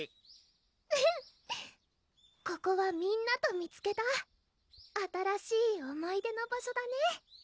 うんここはみんなと見つけた新しい思い出の場所だね